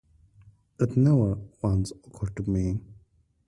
It never once occurred to me.